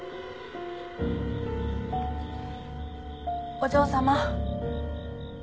お嬢様。